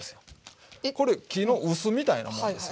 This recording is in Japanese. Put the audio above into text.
これ木の臼みたいなもんですよ。